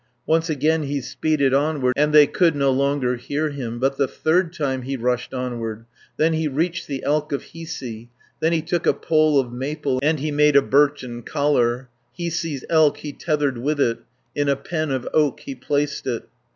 Once again he speeded onward, And they could no longer hear him, But the third time he rushed onward, Then he reached the elk of Hiisi. Then he took a pole of maple, And he made a birchen collar; 220 Hiisi's elk he tethered with it, In a pen of oak he placed it.